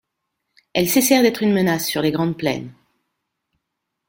Elles cessèrent d'être une menace sur les Grandes Plaines.